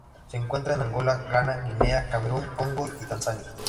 Se encuentra en Angola, Ghana, Guinea, Camerún, Congo y Tanzania.